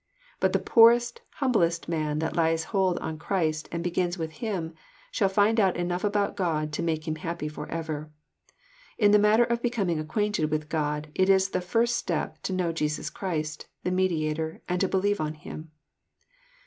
"^But the poorest, humblest man, that lays hold on Christ and begins with'^im, shall find out enough about God to make him happy forever. In the matter of becoming acquainted with God it is the first step to know Jesus Christ, the Mediator, and to believe on Him.